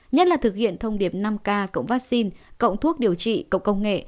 nhất là thực hiện thông điệp năm k cộng vaccine cộng thuốc điều trị cộng công nghệ